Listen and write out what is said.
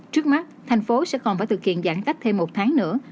trước mắt thành phố sẽ còn phải thực hiện giãn cách thêm một tháng nữa